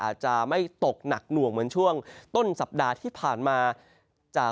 อาจจะไม่ตกหนักหน่วงเหมือนช่วงต้นสัปดาห์ที่ผ่านมา